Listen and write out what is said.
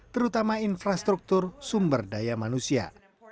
terutama infrastruktur sumber daya manusia